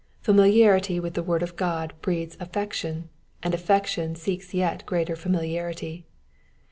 Familiarity with the word of God breeds affection, and affection seeks yet greater familiarity.